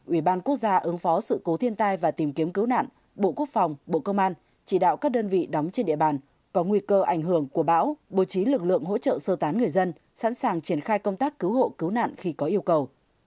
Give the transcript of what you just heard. ủy ban quốc gia ứng phó sự cố thiên tai và tìm kiếm cứu nạn bộ quốc phòng bộ công an chỉ đạo các đơn vị đóng trên địa bàn có nguy cơ ảnh hưởng của bão bố trí lực lượng hỗ trợ sơ tán người dân sẵn sàng triển khai công tác cứu hộ cứu nạn khi có yêu cầu